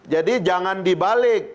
jadi jangan dibalik